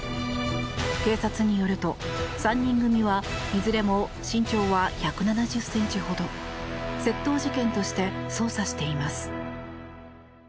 警察によると３人組はいずれも身長は１７０ｃｍほど窃盗事件として捜査しています。